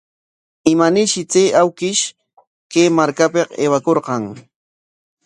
¿Imanarshi chay awkish kay markapik aywakurqan?